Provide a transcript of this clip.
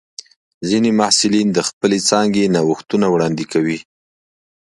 ځینې محصلین د خپلې څانګې نوښتونه وړاندې کوي.